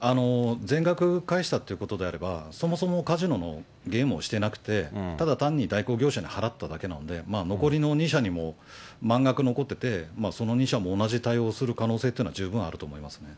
全額返したということであれば、そもそもカジノのゲームをしてなくて、ただ単に代行業者に払っただけなんで、残りの２社にも満額残ってて、その２社も同じ対応をする可能性というのは十分あると思いますね。